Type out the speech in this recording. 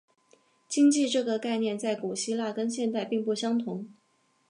经济这个概念在古希腊跟现代并不相同。